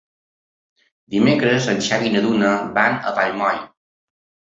Dimecres en Xavi i na Duna van a Vallmoll.